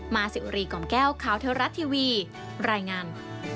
สิวรีกล่อมแก้วข่าวเทวรัฐทีวีรายงาน